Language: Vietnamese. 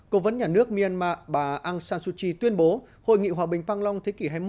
cố vấn nhà nước myanmar bà aung san suu kyi tuyên bố hội nghị hòa bình vang long thế kỷ hai mươi một